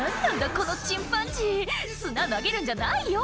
このチンパンジー砂投げるんじゃないよ